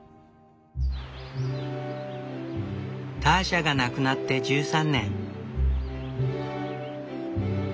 ターシャが亡くなって１３年。